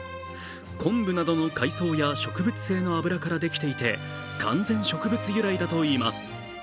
昆布などの海藻や植物性の油からできていて完全植物由来だといいます。